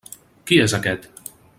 Qui és aquest?